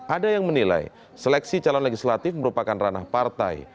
ada yang menilai seleksi calon legislatif merupakan ranah partai